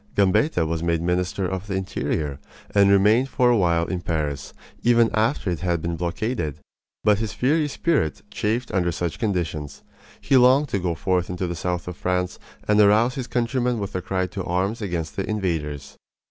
Gambetta was made minister of the interior, and remained for a while in Paris even after it had been blockaded. But his fiery spirit chafed under such conditions. He longed to go forth into the south of France and arouse his countrymen with a cry to arms against the invaders.